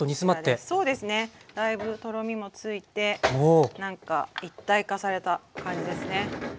だいぶとろみもついてなんか一体化された感じですね。